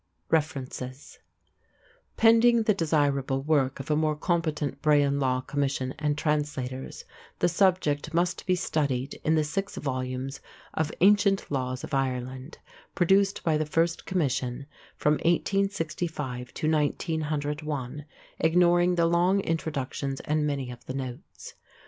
REFERENCES: Pending the desirable work of a more competent Brehon Law Commission and translators, the subject must be studied in the six volumes of Ancient Laws of Ireland, produced by the first Commission, from 1865 to 1901, ignoring the long introductions and many of the notes.